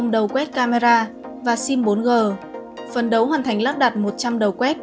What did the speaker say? đầu quét camera và sim bốn g phần đấu hoàn thành lắp đặt một trăm linh đầu quét